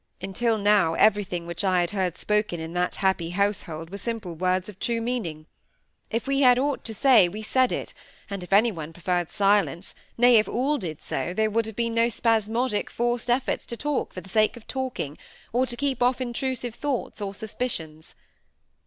Until now everything which I had heard spoken in that happy household were simple words of true meaning. If we had aught to say, we said it; and if any one preferred silence, nay if all did so, there would have been no spasmodic, forced efforts to talk for the sake of talking, or to keep off intrusive thoughts or suspicions.